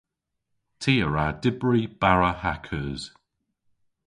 Ty a wra dybri bara ha keus.